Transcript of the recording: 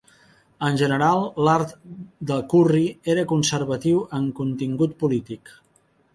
En general, l'art de Curry era conservatiu en contingut polític.